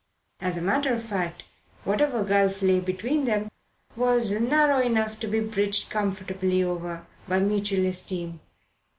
As a matter of fact, whatever gulf lay between them was narrow enough to be bridged comfortably over by mutual esteem.